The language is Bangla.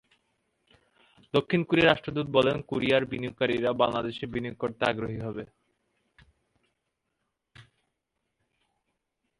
দক্ষিণ কোরিয়ার রাষ্ট্রদূত বলেন, কোরিয়ার বিনিয়োগকারীরা বাংলাদেশে বিনিয়োগ করতে বেশ আগ্রহী।